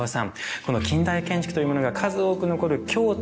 この近代建築というものが数多く残る京都